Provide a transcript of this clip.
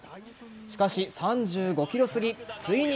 しかし３５ｋｍすぎ、ついに。